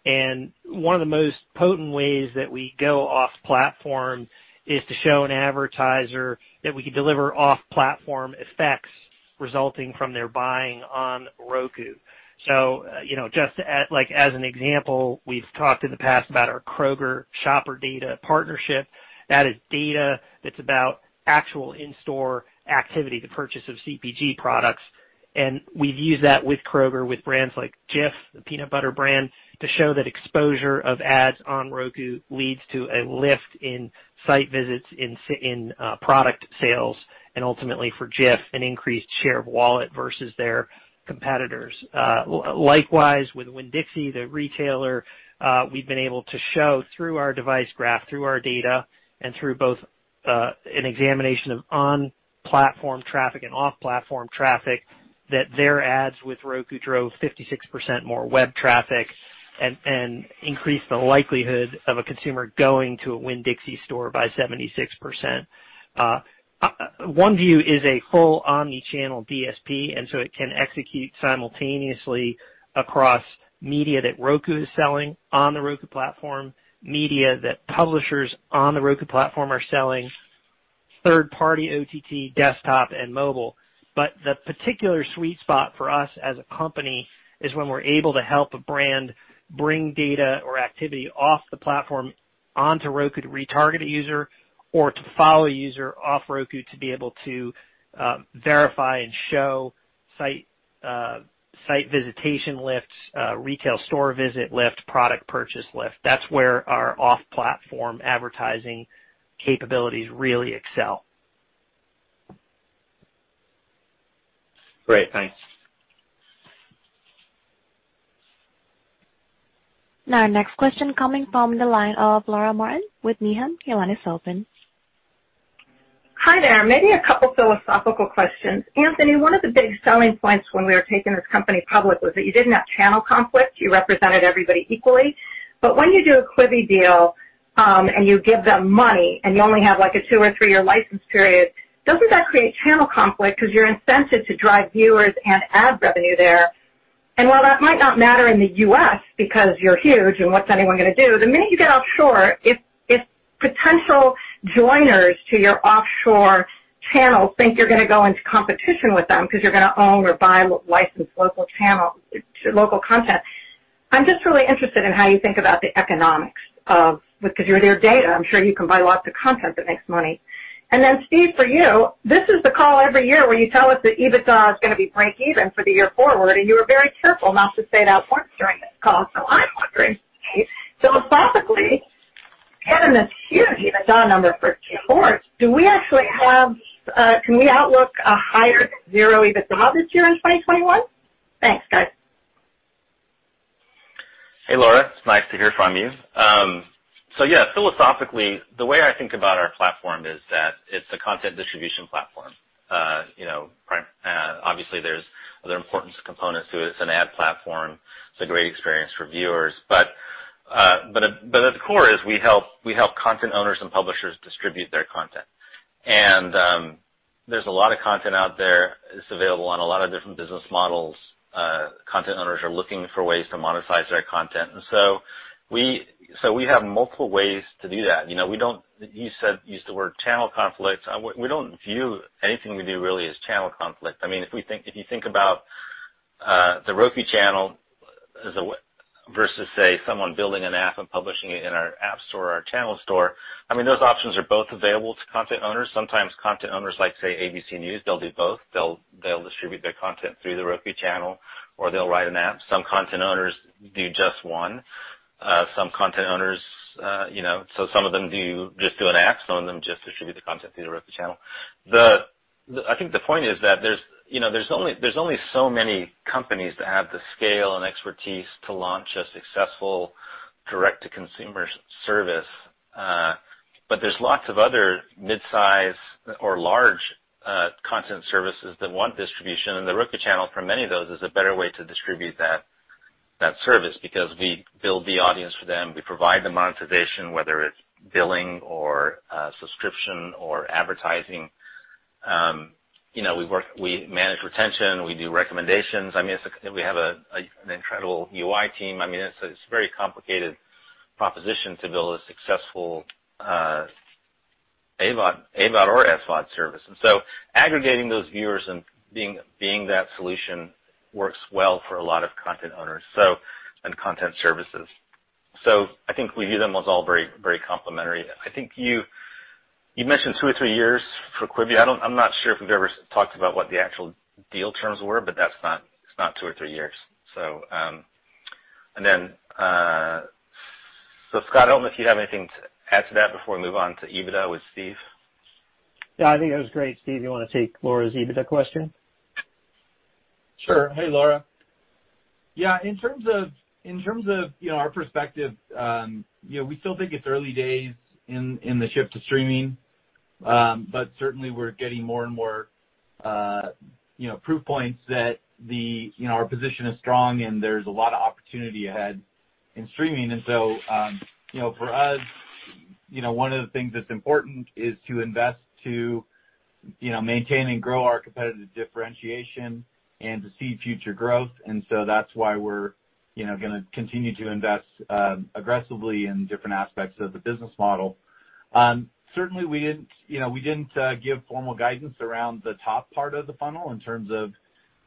One of the most potent ways that we go off platform is to show an advertiser that we can deliver off-platform effects resulting from their buying on Roku. Just like as an example, we've talked in the past about our Kroger shopper data partnership. That is data that's about actual in-store activity, the purchase of CPG products. We've used that with Kroger, with brands like Jif, the peanut butter brand, to show that exposure of ads on Roku leads to a lift in site visits in product sales, and ultimately for Jif, an increased share of wallet versus their competitors. Likewise, with Winn-Dixie, the retailer, we've been able to show through our device graph, through our data, and through both an examination of on-platform traffic and off-platform traffic, that their ads with Roku drove 56% more web traffic and increased the likelihood of a consumer going to a Winn-Dixie store by 76%. OneView is a full omni-channel DSP. It can execute simultaneously across media that Roku is selling on the Roku platform, media that publishers on the Roku platform are selling, third-party OTT, desktop, and mobile. The particular sweet spot for us as a company is when we're able to help a brand bring data or activity off the platform onto Roku to retarget a user or to follow a user off Roku to be able to verify and show site visitation lifts, retail store visit lift, product purchase lift. That's where our off-platform advertising capabilities really excel. Great. Thanks. Our next question coming from the line of Laura Martin with Needham. Your line is open. Hi there. Maybe a couple philosophical questions. Anthony, one of the big selling points when we were taking this company public was that you didn't have channel conflict. You represented everybody equally. When you do a Quibi deal, and you give them money and you only have a two or three-year license period, doesn't that create channel conflict? Because you're incented to drive viewers and ad revenue there. While that might not matter in the U.S. because you're huge and what's anyone going to do, the minute you get offshore, if potential joiners to your offshore channels think you're going to go into competition with them because you're going to own or buy licensed local content. I'm just really interested in how you think about the economics of, because with your data, I'm sure you can buy lots of content that makes money. Steve, for you, this is the call every year where you tell us that EBITDA is going to be breakeven for the year forward. You were very careful not to say that once during this call. I'm wondering, Steve, philosophically, given this huge EBITDA number for Q4, can we outlook a higher than zero EBITDA this year in 2021? Thanks, guys. Hey, Laura. It's nice to hear from you. Yeah, philosophically, the way I think about our platform is that it's a content distribution platform. Obviously there's other important components to it. It's an ad platform. It's a great experience for viewers. At the core is we help content owners and publishers distribute their content. There's a lot of content out there that's available on a lot of different business models. Content owners are looking for ways to monetize their content. We have multiple ways to do that. You used the word channel conflict. We don't view anything we do really as channel conflict. If you think about The Roku Channel versus, say, someone building an app and publishing it in our app store or our channel store, those options are both available to content owners. Sometimes content owners like, say, ABC News, they'll do both. They'll distribute their content through The Roku Channel or they'll write an app. Some content owners do just one. Some of them just do an app, some of them just distribute the content through The Roku Channel. I think the point is that there's only so many companies that have the scale and expertise to launch a successful direct-to-consumer service. There's lots of other mid-size or large content services that want distribution. The Roku Channel, for many of those, is a better way to distribute that service because we build the audience for them. We provide the monetization, whether it's billing or subscription or advertising. We manage retention. We do recommendations. We have an incredible UI team. It's a very complicated proposition to build a successful AVOD or SVOD service. Aggregating those viewers and being that solution works well for a lot of content owners and content services. I think we view them as all very complementary. I think you mentioned two or three years for Quibi. I'm not sure if we've ever talked about what the actual deal terms were, but it's not two or three years. Scott, I don't know if you have anything to add to that before we move on to EBITDA with Steve. Yeah, I think that was great. Steve, you want to take Laura's EBITDA question? Sure. Hey, Laura. Yeah, in terms of our perspective, we still think it's early days in the shift to streaming. Certainly we're getting more and more proof points that our position is strong and there's a lot of opportunity ahead in streaming. So, for us, one of the things that's important is to invest to maintain and grow our competitive differentiation and to see future growth. So that's why we're going to continue to invest aggressively in different aspects of the business model. Certainly we didn't give formal guidance around the top part of the funnel in terms of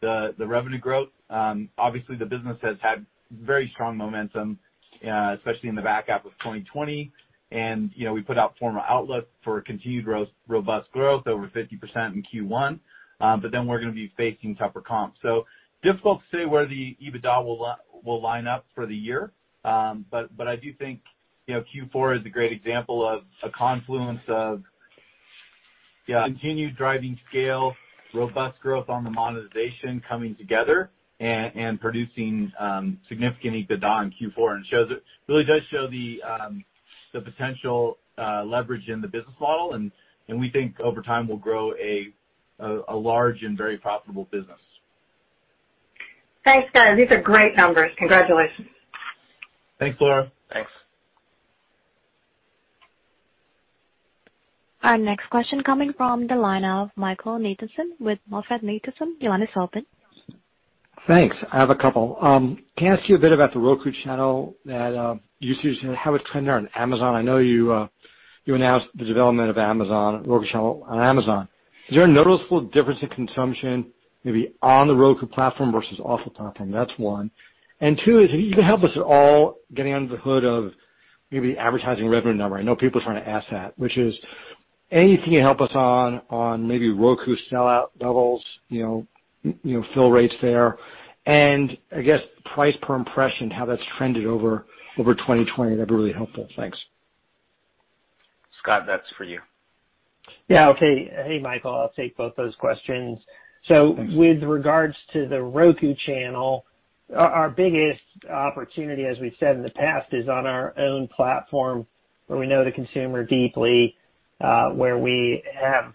the revenue growth. Obviously, the business has had very strong momentum, especially in the back half of 2020. We put out formal outlook for continued robust growth over 50% in Q1. Then we're going to be facing tougher comps. Difficult to say where the EBITDA will line up for the year. I do think Q4 is a great example of a confluence of continued driving scale, robust growth on the monetization coming together and producing significant EBITDA in Q4. It really does show the potential leverage in the business model. We think over time we'll grow a large and very profitable business. Thanks, guys. These are great numbers. Congratulations. Thanks, Laura. Thanks. Our next question coming from the line of Michael Nathanson with MoffettNathanson. Your line is open. Thanks. I have a couple. Can I ask you a bit about The Roku Channel usage and how it's trending on Amazon? I know you announced the development of The Roku Channel on Amazon. Is there a noticeable difference in consumption maybe on the Roku platform versus off the platform? That's one. Two is if you can help us at all getting under the hood of maybe advertising revenue number. I know people are trying to ask that. Anything you help us on maybe Roku sellout levels, fill rates there, and I guess price per impression, how that's trended over 2020, that'd be really helpful. Thanks. Scott, that's for you. Yeah. Okay. Hey, Michael. I'll take both those questions. Thanks. With regards to The Roku Channel, our biggest opportunity, as we've said in the past, is on our own platform where we know the consumer deeply, where we have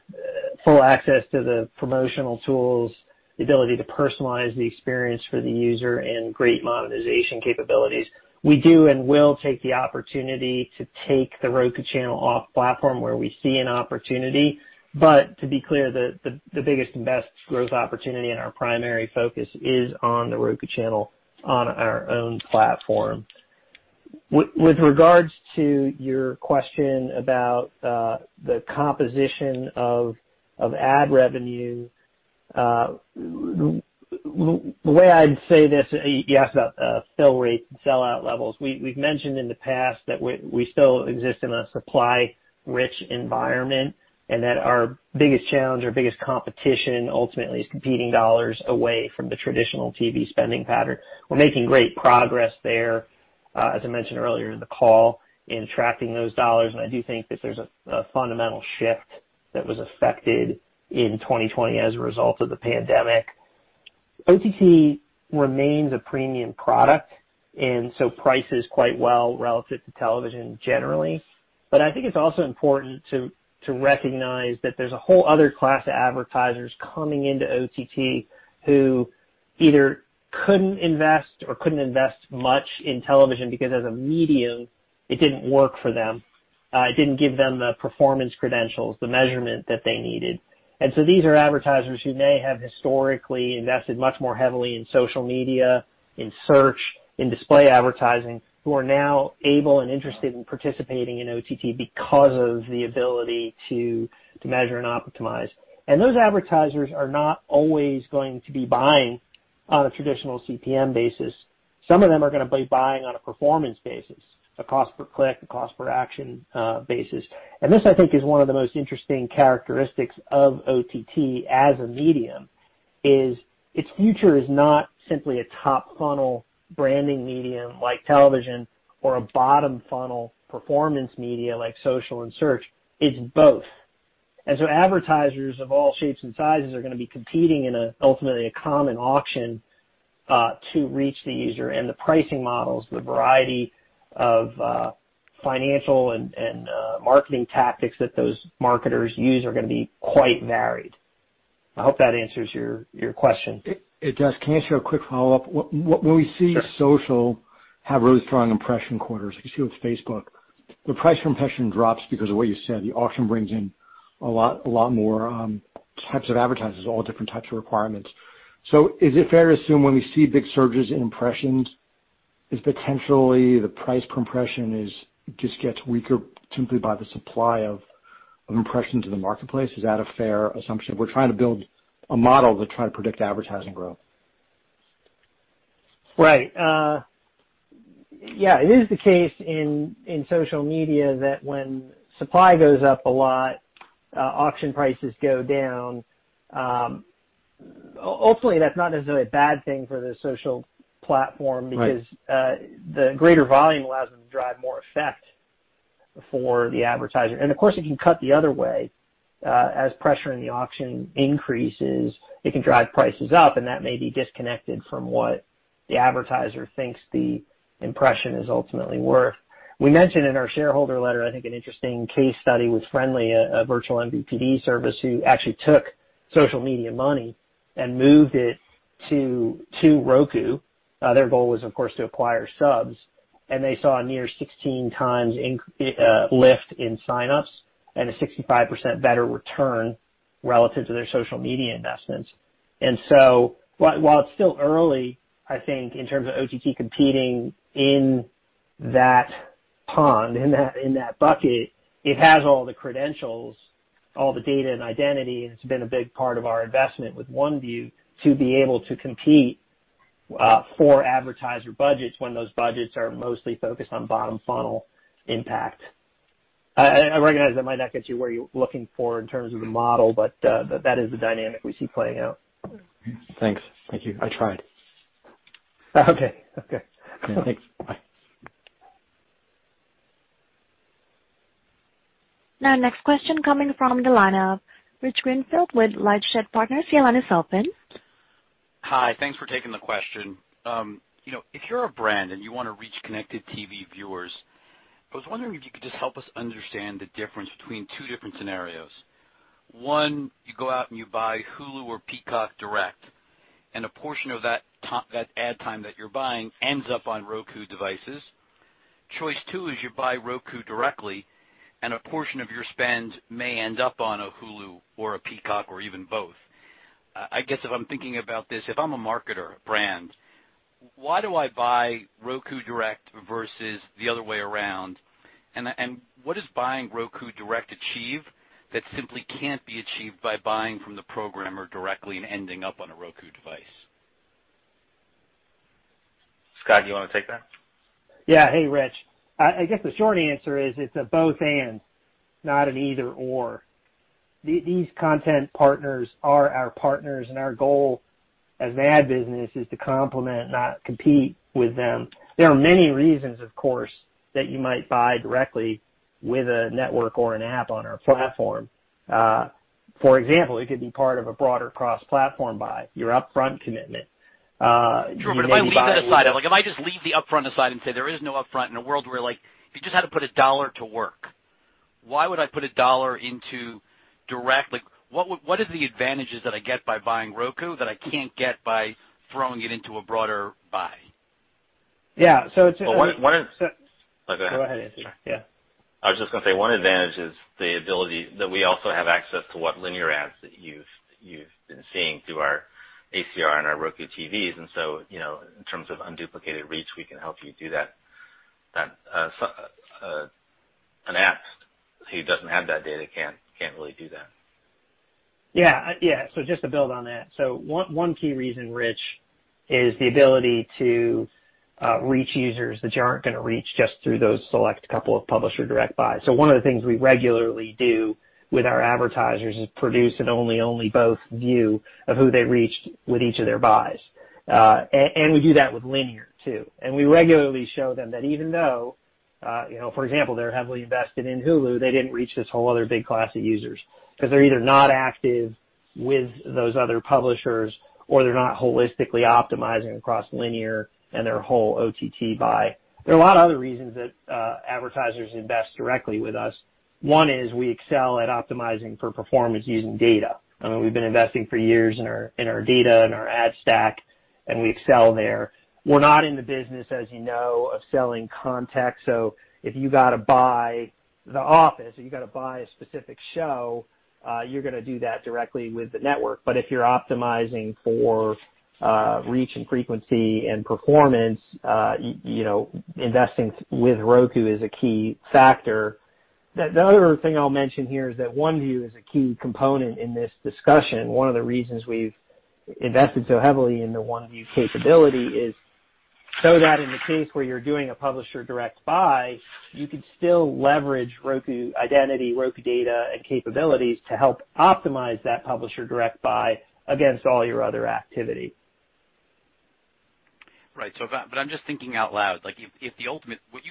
full access to the promotional tools, the ability to personalize the experience for the user, and great monetization capabilities. We do and will take the opportunity to take The Roku Channel off-platform where we see an opportunity. To be clear, the biggest and best growth opportunity and our primary focus is on The Roku Channel on our own platform. With regards to your question about the composition of ad revenue, the way I'd say this, you asked about fill rates and sellout levels. We've mentioned in the past that we still exist in a supply-rich environment, and that our biggest challenge, our biggest competition, ultimately, is competing dollars away from the traditional TV spending pattern. We're making great progress there, as I mentioned earlier in the call, in attracting those dollars. I do think that there's a fundamental shift that was affected in 2020 as a result of the pandemic. OTT remains a premium product, prices quite well relative to television generally. I think it's also important to recognize that there's a whole other class of advertisers coming into OTT who either couldn't invest or couldn't invest much in television because as a medium, it didn't work for them. It didn't give them the performance credentials, the measurement that they needed. These are advertisers who may have historically invested much more heavily in social media, in search, in display advertising, who are now able and interested in participating in OTT because of the ability to measure and optimize. Those advertisers are not always going to be buying on a traditional CPM basis. Some of them are going to be buying on a performance basis, a cost per click, a cost per action basis. This, I think, is one of the most interesting characteristics of OTT as a medium, is its future is not simply a top-funnel branding medium like television or a bottom-funnel performance media like social and search. It's both. So advertisers of all shapes and sizes are going to be competing in ultimately a common auction, to reach the user. The pricing models, the variety of financial and marketing tactics that those marketers use are going to be quite varied. I hope that answers your question. It does. Can I ask you a quick follow-up? Sure. When we see social have really strong impression quarters, as you see with Facebook, the price compression drops because of what you said, the auction brings in a lot more types of advertisers, all different types of requirements. Is it fair to assume when we see big surges in impressions, is potentially the price compression just gets weaker simply by the supply of impressions in the marketplace? Is that a fair assumption? We're trying to build a model to try to predict advertising growth. Right. Yeah, it is the case in social media that when supply goes up a lot, auction prices go down. Ultimately, that's not necessarily a bad thing for the social platform- Right. ...because the greater volume allows them to drive more effect for the advertiser. Of course, it can cut the other way. As pressure in the auction increases, it can drive prices up, and that may be disconnected from what the advertiser thinks the impression is ultimately worth. We mentioned in our shareholder letter, I think, an interesting case study with Frndly, a virtual MVPD service, who actually took social media money and moved it to Roku. Their goal was, of course, to acquire subs. They saw a near 16 times lift in sign-ups and a 65% better return relative to their social media investments. While it's still early, I think, in terms of OTT competing in that pond, in that bucket, it has all the credentials, all the data and identity, and it's been a big part of our investment with OneView to be able to compete for advertiser budgets when those budgets are mostly focused on bottom-funnel impact. I recognize that might not get you where you're looking for in terms of the model, but that is the dynamic we see playing out. Thanks. Thank you. I tried. Okay. Thanks. Bye. Now next question coming from the line of Rich Greenfield with LightShed Partners. Your line is open. Hi. Thanks for taking the question. If you're a brand and you want to reach connected TV viewers, I was wondering if you could just help us understand the difference between two different scenarios. One, you go out and you buy Hulu or Peacock direct, and a portion of that ad time that you're buying ends up on Roku devices. Choice two is you buy Roku directly, and a portion of your spend may end up on a Hulu or a Peacock or even both. I guess if I'm thinking about this, if I'm a marketer brand, why do I buy Roku direct versus the other way around? What does buying Roku direct achieve that simply can't be achieved by buying from the programmer directly and ending up on a Roku device? Scott, do you want to take that? Yeah. Hey, Rich. I guess the short answer is it's a both and, not an either or. These content partners are our partners, and our goal as an ad business is to complement, not compete with them. There are many reasons, of course, that you might buy directly with a network or an app on our platform. For example, it could be part of a broader cross-platform buy, your upfront commitment. Sure. If I leave that aside, if I just leave the upfront aside and say there is no upfront in a world where you just had to put $1 to work, why would I put $1 into direct? What are the advantages that I get by buying Roku that I can't get by throwing it into a broader buy? Yeah. Go ahead. Go ahead, Anthony. Yeah. I was just going to say, one advantage is the ability that we also have access to what linear ads that you've been seeing through our ACR and our Roku TVs. In terms of unduplicated reach, we can help you do that. An app who doesn't have that data can't really do that. Yeah. Just to build on that. One key reason, Rich, is the ability to reach users that you aren't going to reach just through those select couple of publisher direct buys. So one of the things we regularly do with our advertisers is produce an only-both view of who they reached with each of their buys. We do that with linear, too. We regularly show them that even though, for example, they're heavily invested in Hulu, they didn't reach this whole other big class of users because they're either not active with those other publishers, or they're not holistically optimizing across linear and their whole OTT buy. There are a lot of other reasons that advertisers invest directly with us. One is we excel at optimizing for performance using data. I mean, we've been investing for years in our data and our ad stack, and we excel there. We're not in the business, as you know, of selling context. If you got to buy The Office or you got to buy a specific show, you're going to do that directly with the network. If you're optimizing for reach and frequency and performance, investing with Roku is a key factor. The other thing I'll mention here is that OneView is a key component in this discussion. One of the reasons we've invested so heavily in the OneView capability is so that in the case where you're doing a publisher direct buy, you could still leverage Roku identity, Roku data, and capabilities to help optimize that publisher direct buy against all your other activity. Right. I'm just thinking out loud. What you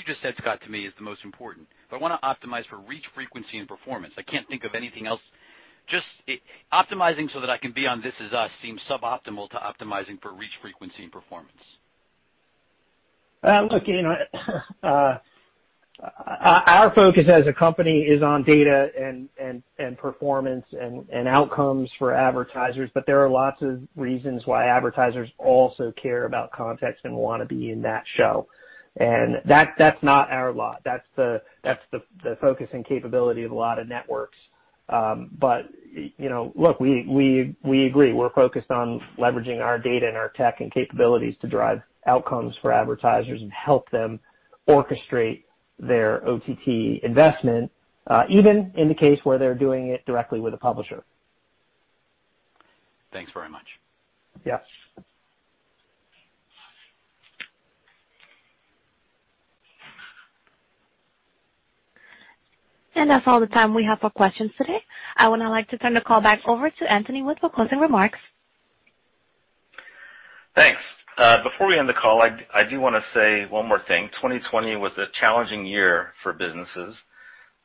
just said, Scott, to me is the most important. If I want to optimize for reach, frequency, and performance, I can't think of anything else. Just optimizing so that I can be on "This Is Us" seems suboptimal to optimizing for reach, frequency, and performance. Look, our focus as a company is on data and performance and outcomes for advertisers, there are lots of reasons why advertisers also care about context and want to be in that show. That's not our lot. That's the focus and capability of a lot of networks. Look, we agree. We're focused on leveraging our data and our tech and capabilities to drive outcomes for advertisers and help them orchestrate their OTT investment, even in the case where they're doing it directly with a publisher. Thanks very much. Yeah. That's all the time we have for questions today. I would now like to turn the call back over to Anthony with closing remarks. Thanks. Before we end the call, I do want to say one more thing. 2020 was a challenging year for businesses,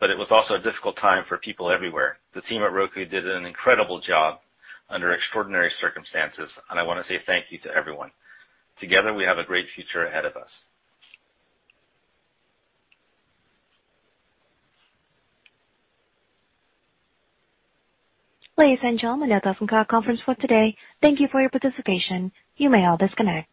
but it was also a difficult time for people everywhere. The team at Roku did an incredible job under extraordinary circumstances, and I want to say thank you to everyone. Together, we have a great future ahead of us. Ladies and gentlemen, that concludes our conference for today. Thank you for your participation. You may all disconnect.